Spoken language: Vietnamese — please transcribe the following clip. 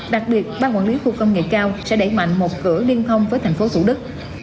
đặc biệt ba quản lý khu công nghệ cao sẽ đẩy mạnh một cửa liên thông với thành phố thủ đức